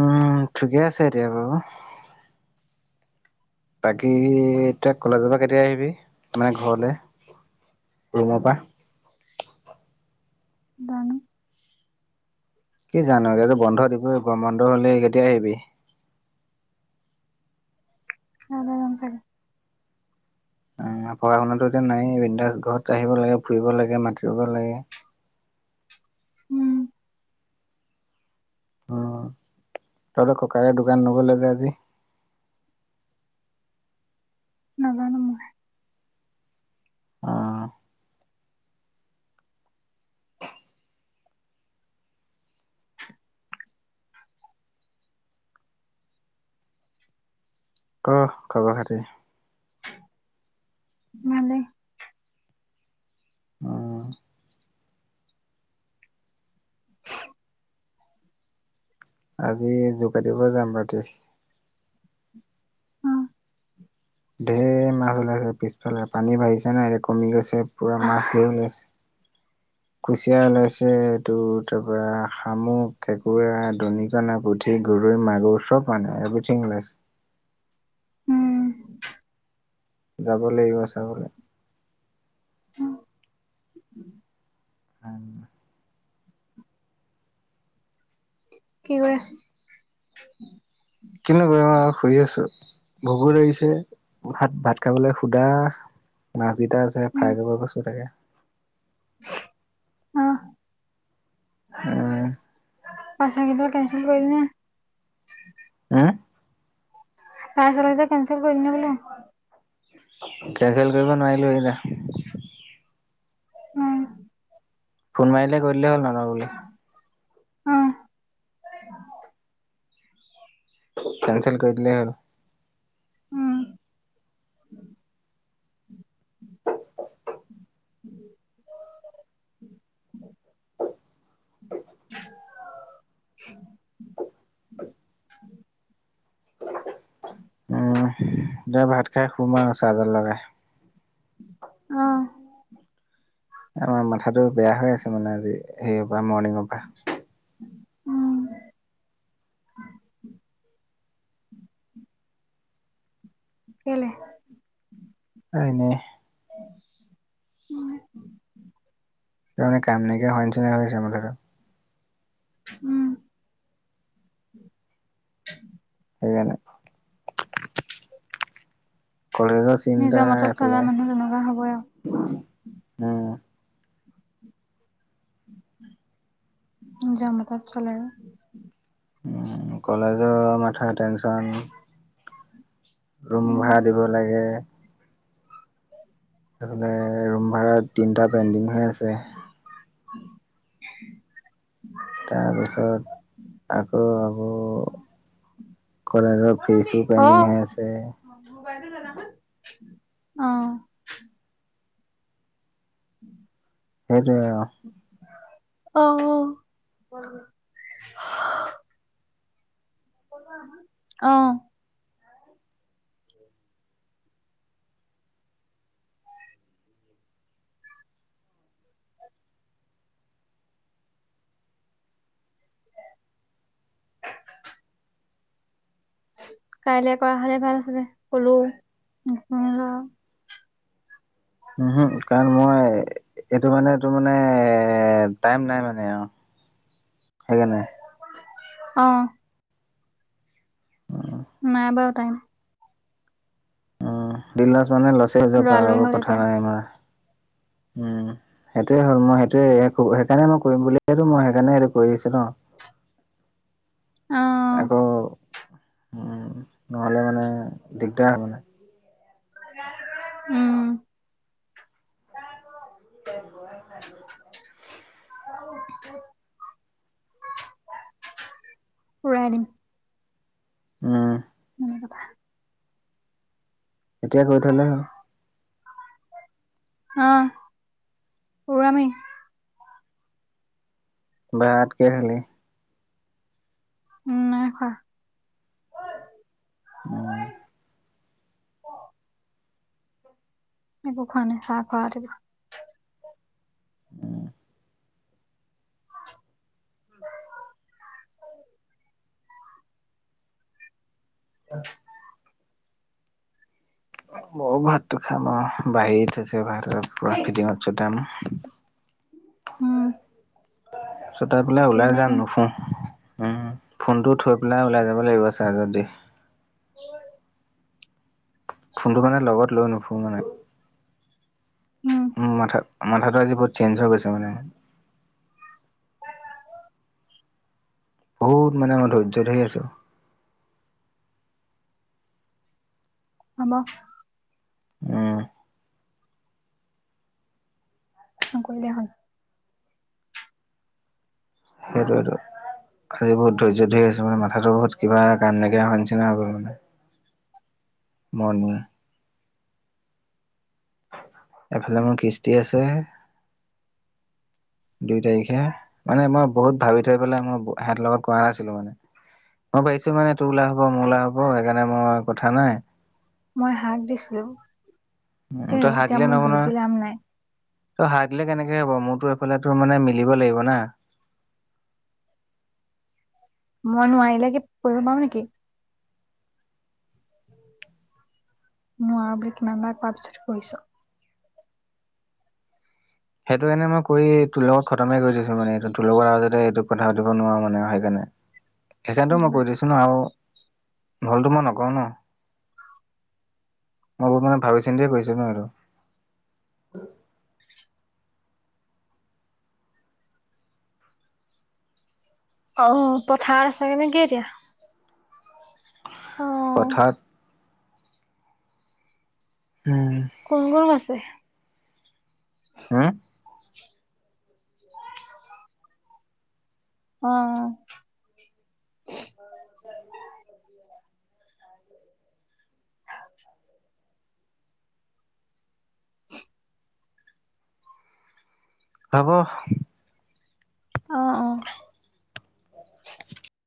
উম ঠিকে আছে এতিয়া বাৰু। বাকী এতিয়া কলেজৰ পৰা কেতিয়া আহিবি মানে ঘৰলে ৰুমৰ পা? জানো? কি জানো এতিয়া ত বন্ধ দিবই গৰম বন্ধ হলে কেতিয়া আহিবি? [unintelligible] চাগে। অ পঢ়া শুনাটো এতিয়া নাই, বিন্দাস ঘৰত আহিব লাগে, ফুৰিব লাগে, মাতিব লাগে। উম। অঁ তহঁতৰ ককাইৰে দোকান নগ'লে যে আজি? নাজানো মই। অঁ। ক খবৰ খাতি? ভালে। উম। [unintelligible] আজি যোগা দিব যাম ৰাতি। অ ধেৰ মাছ ওলাইছে পিছফালে, পানী বাঢ়িছে নহয় এতিয়া কমি গৈছে পোৰা মাছ ধেৰ ওলাইছে। [inaudible] কুচিয়া ওলাইছে এইটো তাৰপৰা শামুক, কেঁকুৰা, দনিকণা, পুঠ ঠি, গৰৈ, মাগুৰ চব মানে এভ্ৰীঠিং ওলাইছে। উম যাব লাগিব চাবলে। উম। উম। কি কৰি আছ কিনো কৰিম আৰু শুই আছো। ভোগো লাগিছে, ভাত ভাত খাবলে শুদা। মাছকেইটা আছে ফ্ৰাই কৰিব কৈছোঁ তাকে। অঁহ। উম। পাৰ্চেল কেইটা কেঞ্চেল কৰিলি নে? উম? পাৰ্চেল কেইটা কেঞ্চেল কৰিলি নে বোলো। কেঞ্চেল কৰিব নোৱাৰিলো সেইকেইটা। উম। ফোন মাৰিলে কৈ দিলে হ'ল নলওঁ বুলি। উম। কেঞ্চেল কৰি দিলে হল। উম। [inaudible] [inaudible] [inaudible] উম এতিয়া ভাত খায় শুম আৰু চাৰ্জত লগাই। অঁ। আমাৰ মাথাটো বেয়া হৈ আছে মানে আজি, সেইয় পৰা মৰ্ণিঙৰ পৰা। উম। কেলে? এনেই। উম। মানে কাম নাইকিয়া হোৱা নিচিনা হৈ গৈছে মাথাটো। উম সেইকাৰনে। কলেজৰ চিন্তা নিজৰ মতত চলা এফালে, মানুহ তেনেকুৱা হ'বই আৰু উম। যাম এপাক [unintelligible] উম কলেজৰ মাথা টেনশ্যন ৰুম উম ভাড়া দিব লাগে। এইফালে ৰুম ভাড়া তিনটা পেণ্ডিং হৈ আছে। [unintelligible] তাৰপিছত, আকৌ আকৌ কলেজৰ ফিচো অ পেণ্ডিং হৈ আছে। [unintelligible] অ', ওম সেইটোৱে আও। অ', অ', কাইলে কৰা হ'লে ভাল আছিলে, ক'লো [unintelligible] উম হু, কাৰণ মই এইটো মানে এইটো মানে এ টাইম নাই মানে আও, সেইকাৰণে। অ', নাই বাৰু টাইম। উম, দিন বাৰ চোৱা নাই লছেই হৈ যাওঁক লৰালৰি বাৰু হ'ল এতিয়া কথা নাই ইমান উম, সেইটোৱে হ'ল মই সেইটোৱে [unintelligible] সেইকাৰণে মই কৰিম বুলিয়েটো মই সেইকাৰণে সেইটো কৰি আছো ন। অ আকৌ, উম, নহ'লে মানে দিগদাৰ হ'ব না। উম। [unintelligible] [unintelligible] উৰাই দিম। উম। [unintelligible] এতিয়া কৰি থ'লে হ'ল। অ, উৰামেই। ভাত কিহে খালি? উ নাই খোৱা। অ', একো খোৱা নাই চাহ খোৱা ৰাতিপুৱা। উম। [unintelligible] মও ভাতটো খাম আও বাহি থৈছে ভাত [unintelligible] উম। ছোতাই পেলাই কি ওলাই নাই যাম মই নুশু। উম, ফোনটো থৈ পেলাই ওলাই যাব লাগিব চাজৰ্ত দি। [unintelligible] ফোনটো মানে লগত লৈ নুফুৰোঁ মানে। উম মাথা মাথাটো আজি বহুত চেঞ্জ হৈ গৈছে মানে মো [unintelligible] বহুত মানে মই ধৈৰ্য ধৰি আছোঁ। হ'ব। উম। নকৰিলেই হ'ল। সেটোৱেটো। আজি বহুত ধৈৰ্য ধৰি আছোঁ মানে মাথাটো বহুত কিবা কাম নাইকিয়া হোৱা নিচিনা হৈ গ'ল মানে। [unintelligible] এফালে মোৰ কিস্তি আছে দুই তাৰিখে, মানে মই বহুত ভাবি থৈ পেলাই মোৰ সেহঁতৰ লগত কৰা নাছিলো মানে। মই পাৰিছো মানে তোৰ লাভ হ'ব, মোৰ লাভ হ'ব, সেইকাৰণে মই কথা নাই মই হাক দিছিলো, দেই তই হাক এতিয়া দিলে মোক নহ'ব দোষ নহয় দি লাপ নাই। তই হাক দিলে কেনেকে হ'ব মোৰতো এইফালেত তোৰ মানে মিলিব লাগিব না। মই নোৱাৰিলে কি পঢ়িব পাৰোঁ নেকি? [inaudible] নোৱাৰো বুলি কিমানবাৰ কোৱাৰ পাছতো কৰিছো। সেইটো এনে মই কৰি তোৰ লগত খতমেই কৰি দিছো মানে এইটো তোৰ লগত আৰু যাতে এইটো কথা সুধিব নোৱাৰো মানে সেইকাৰণে। [inaudible] সেইকাৰণেতো মই কৈ দিছোঁ ন, আৰু ভুলটো মই নকৰোঁ ন। মই বহুত মানে ভাবি-চিন্তিয়ে কৈছো ন এইটো। অ মোৰ পথাৰ আছে নেকি এতিয়া? অ। [inaudible] উম কোন-কোন আছে? হুম? অহ। [inaudible] [inaudible] [inaudible] হ'ব। অ-অ।